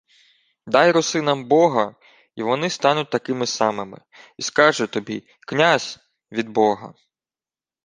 — Дай русинам бога — й вони стануть такими самими. Й скажуть тобі: «Князь — від бога».